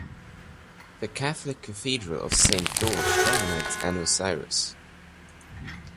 The Catholic cathedral of Saint George dominates Ano Syros.